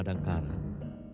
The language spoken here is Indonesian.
kau adalah adik attawaringkas